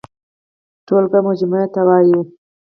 ټولګه مجموعې ته وايي.